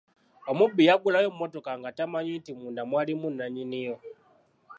Omubbi yaggulawo emmotoka nga tamanyi nti munda mwalimu nannyini yo.